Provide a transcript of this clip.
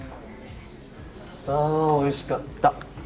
あおいしかった。